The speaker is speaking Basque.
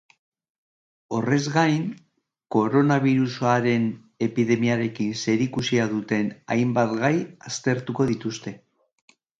Horrez gain, koronabirusaren epidemiarekin zerikusia duten hainbat gai aztertuko dituzte.